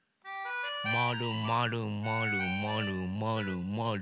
まるまるまるまるまるまる。